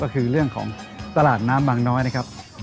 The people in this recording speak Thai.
ก็คือเรื่องของตลาดน้ำบางน้อยนะครับ